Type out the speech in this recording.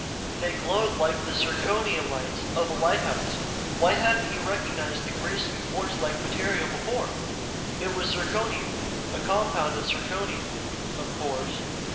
They glowed like the "zirconia lights" of a lighthouse. Why hadn't he recognized the greasy, quartz like material before? It was zirconia, a compound of zirconium, of course.